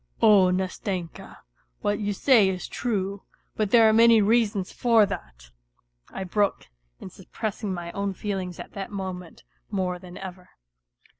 " Oh, Nastenka, what you say is true ; but there are many reasons for that," I broke in suppressing my own feelings at that moment more than ever.